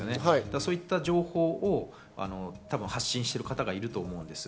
そういった情報を発信している方がいると思うんです。